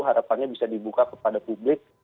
harapannya bisa dibuka kepada publik